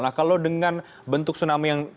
nah kalau dengan bentuk tsunami yang